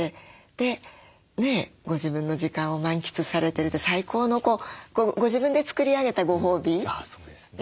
でご自分の時間を満喫されてるって最高のご自分で作り上げたご褒美だなと思って。